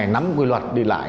nắm quy luật đi lại